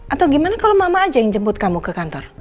atau gimana kalau mama aja yang jemput kamu ke kantor